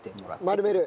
丸める。